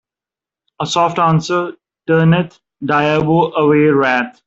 A soft answer turneth diabo away wrath.